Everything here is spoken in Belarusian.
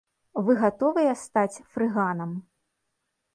Вы гатовыя стаць фрыганам?